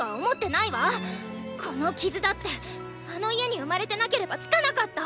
この傷だってあの家に生まれてなければ付かなかった！